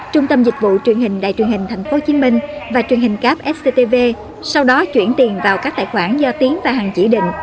trung tâm dịch vụ truyền hình đài truyền hình tp hcm và truyền hình cáp sctv sau đó chuyển tiền vào các tài khoản do tiến và hằng chỉ định